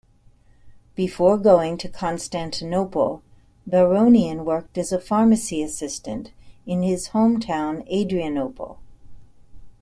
Before going to Constantinople Baronian worked as a pharmacy assistant in his hometown Adrianople.